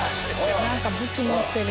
なんか武器持ってる。